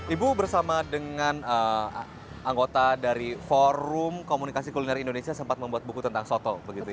ibu bersama dengan anggota dari forum komunikasi kuliner indonesia sempat membuat buku tentang soto